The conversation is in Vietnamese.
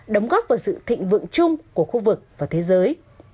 đóng góp vào sự thịnh vượng chung của khu vực và thế giới